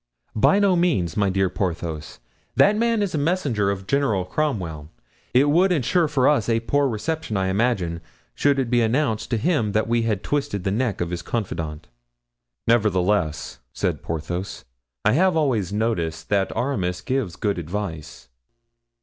"By no means, my dear Porthos; that man is a messenger of General Cromwell; it would insure for us a poor reception, I imagine, should it be announced to him that we had twisted the neck of his confidant." "Nevertheless," said Porthos, "I have always noticed that Aramis gives good advice."